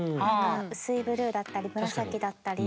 薄いブルーだったり紫だったり。